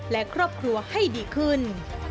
และครอบครัวให้ดีขึ้น